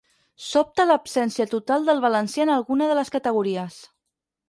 Sobta l'absència total del valencià en alguna de les categories.